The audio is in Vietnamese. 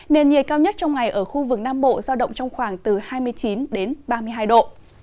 nền nhiệt cao nhất trong ngày ở khu vực nam bộ giao động trong khoảng từ hai mươi chín đến ba mươi hai độ